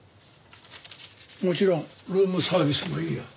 もちろんルームサービスもいいよ。